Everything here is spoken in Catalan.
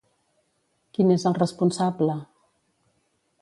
Qui n'és el responsable?